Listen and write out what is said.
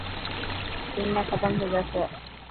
دنيا ختم ٿي جاسي.